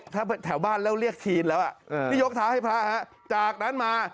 ถ้าแถวบ้านแล้วเรียกทีนแล้วนี่ยกเท้าให้พระจากนั้นมา